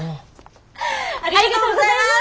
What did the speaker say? ありがとうございます！